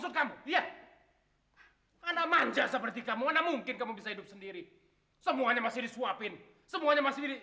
silakan nanti kalau ada apa apa